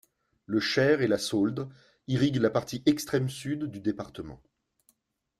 Le Cher et la Sauldre irriguent la partie extrême-sud du département.